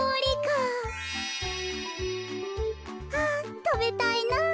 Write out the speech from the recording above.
あたべたいな。